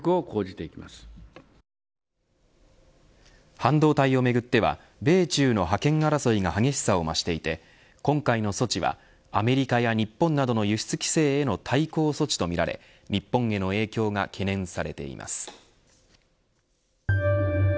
半導体をめぐっては米中の覇権争いが激しさを増していて今回の措置はアメリカや日本などの輸出規制への対抗措置とみられ日本への影響が懸念されています。